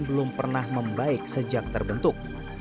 belum pernah membaik sejak terbentuk